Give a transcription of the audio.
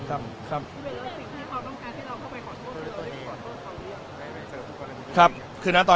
คุณไปเลือกสิ่งให้เขาต้องการให้เขาเข้าไปขอโทษ